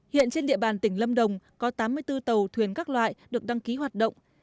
hiện trên địa bàn tỉnh lâm đồng có tám mươi bốn tàu thuyền các loại được đăng ký hoạt động